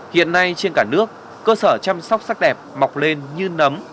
hiện nay trên cả nước cơ sở chăm sóc sắc đẹp mọc lên như nấm